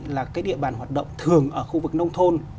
là cái địa bàn hoạt động thường ở khu vực nông thôn